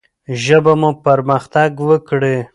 ژبه مو پرمختګ وکړي.